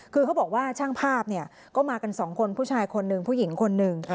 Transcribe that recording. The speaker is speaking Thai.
คือเขาบอกว่าช่างภาพเนี่ยก็มากันสองคนผู้ชายคนหนึ่งผู้หญิงคนหนึ่ง